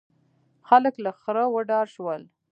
خلک له خره وډار شول.